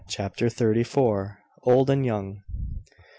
CHAPTER THIRTY FOUR. OLD AND YOUNG.